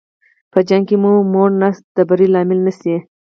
په جګړه کې که موړ نس د بري لامل نه شي.